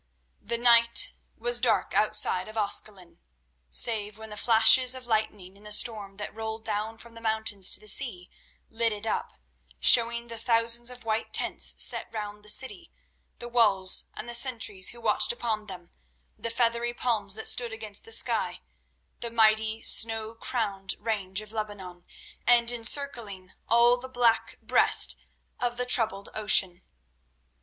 The night was dark outside of Ascalon, save when the flashes of lightning in the storm that rolled down from the mountains to the sea lit it up, showing the thousands of white tents set round the city, the walls and the sentries who watched upon them, the feathery palms that stood against the sky, the mighty, snow crowned range of Lebanon, and encircling all the black breast of the troubled ocean.